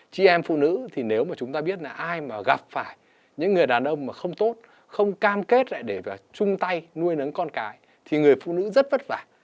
chị em phụ nữ thì nếu mà chúng ta biết là ai mà gặp phải những người đàn ông mà không tốt không cam kết lại để mà chung tay nuôi nấng con cái thì người phụ nữ rất vất vả